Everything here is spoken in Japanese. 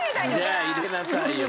じゃあ入れなさいよ